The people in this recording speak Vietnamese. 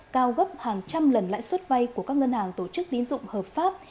cao gấp hàng trăm lần lãi suất vay của các ngân hàng tổ chức tín dụng hợp pháp